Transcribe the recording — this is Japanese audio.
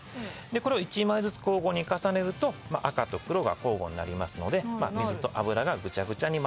これを１枚ずつ交互に重ねると赤と黒が交互になりますので水と油がぐちゃぐちゃに交ざってる。